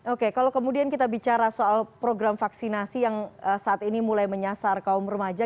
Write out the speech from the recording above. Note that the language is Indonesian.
oke kalau kemudian kita bicara soal program vaksinasi yang saat ini mulai menyasar kaum remaja